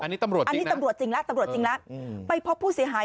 อันนี้ตำรวจจริงนะอันนี้ตำรวจจริงล่ะไปเพราะผู้เสียหาย